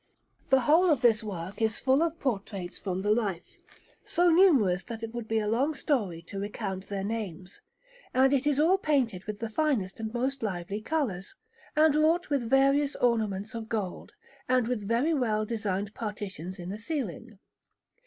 The whole of this work is full of portraits from the life, so numerous that it would be a long story to recount their names; and it is all painted with the finest and most lively colours, and wrought with various ornaments of gold, and with very well designed partitions in the ceiling.